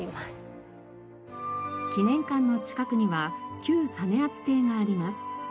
記念館の近くには旧実篤邸があります。